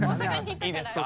いいですか？